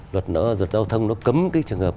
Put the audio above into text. luật giao thông nó cấm cái trường hợp